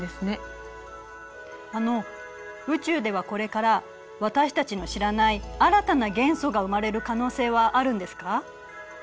あの宇宙ではこれから私たちの知らない新たな元素が生まれる可能性はあるんですか？